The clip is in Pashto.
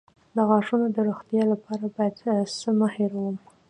د غاښونو د روغتیا لپاره باید څه مه هیروم؟